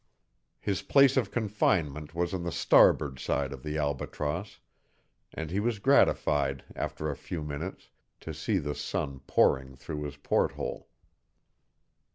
His place of confinement was on the starboard side of the Albatross, and he was gratified after a few minutes to see the sun pouring through his porthole.